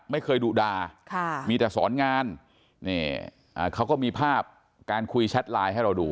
ไม่เคยดุดาค่ะมีแต่สอนงานเนี่ยอ่าเขาก็มีภาพการคุยแชทไลน์ให้เราดู